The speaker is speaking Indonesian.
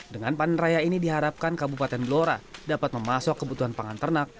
dengan panen raya ini diharapkan kabupaten blora dapat memasok kebutuhan pangan ternak